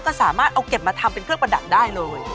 ก็สามารถเอาเก็บมาทำเป็นเครื่องประดับได้เลย